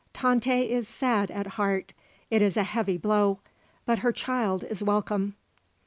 Tante is sad at heart. It is a heavy blow. But her child is welcome."